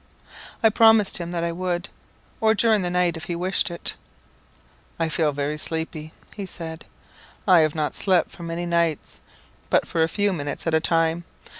I promised him that I would or during the night, if he wished it. "I feel very sleepy," he said. "I have not slept for many nights, but for a few minutes at a time.